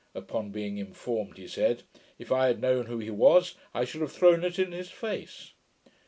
Upon being informed, he said, 'If I had known who he was, I should have thrown it in his face.'